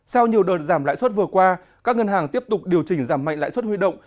sau nhiều đợt giảm lãi suất vừa qua các ngân hàng tiếp tục điều chỉnh giảm mạnh lãi suất huy động